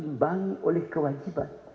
diimbangi oleh kewajiban